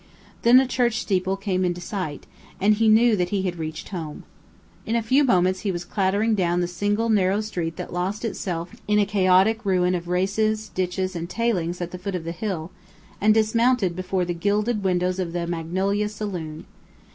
Then a church steeple came in sight, and he knew that he had reached home. In a few moments he was clattering down the single narrow street that lost itself in a chaotic ruin of races, ditches, and tailings at the foot of the hill, and dismounted before the gilded windows of the "Magnolia" saloon.